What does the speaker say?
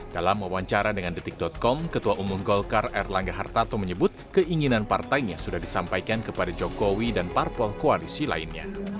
dalam wawancara dengan detik com ketua umum golkar erlangga hartarto menyebut keinginan partainya sudah disampaikan kepada jokowi dan parpol koalisi lainnya